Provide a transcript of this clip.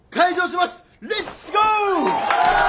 レッツゴー！